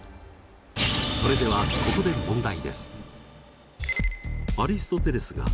それではここで問題です。